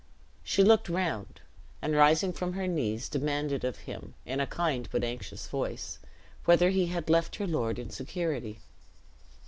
She looked round, and rising from her knees, demanded of him, in a kind but anxious voice, whether he had left her lord in security.